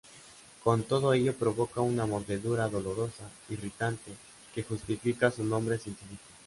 Con todo ello provoca una mordedura dolorosa, irritante, que justifica su nombre científico.